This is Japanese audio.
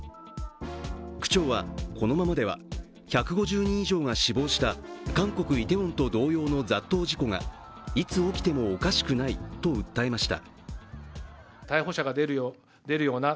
区長は、このままでは１５０人以上が死亡した韓国・イテウォンと同様の雑踏事故がいつ起きてもおかしくないと訴えました。